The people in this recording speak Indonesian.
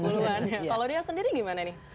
kalau ria sendiri gimana nih